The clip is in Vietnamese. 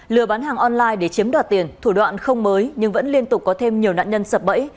lừa bán hàng online để chiếm đoạt tiền thủ đoạn không mới nhưng vẫn liên tục có thêm nhiều nạn nhân sập bẫy